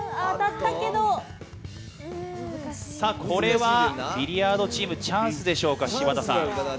これはビリヤードチームチャンスでしょうか、柴田さん。